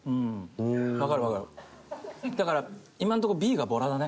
だから今のところＢがボラだね。